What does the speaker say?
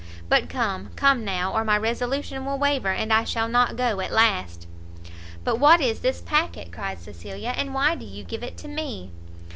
But come, come now, or my resolution will waver, and I shall not go at last." "But what is this packet?" cried Cecilia, "and why do you give it to me?"